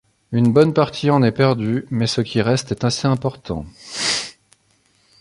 Une bonne partie en est perdue, mais ce qui reste est assez important.